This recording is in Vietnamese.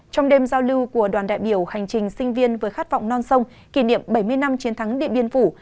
trong đêm giao lưu của đoàn đại biểu hành trình sinh viên với khát vọng non sông kỷ niệm bảy mươi năm chiến thắng điện biên phủ